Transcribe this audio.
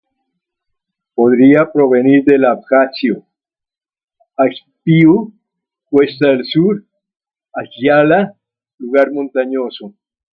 Podría provenir del abjasio: Аахыц, "cuesta del sur", Ахуаца, "lugar montañoso".